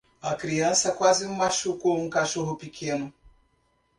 A criança quase machucou um cachorro pequeno.